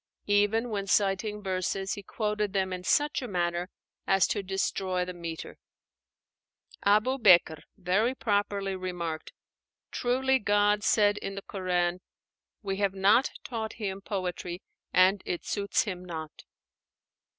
Even when citing verses, he quoted them in such a manner as to destroy the metre. Abu Bekr very properly remarked, "Truly God said in the 'Qur'an,' 'We have not taught him poetry, and it suits him not.'"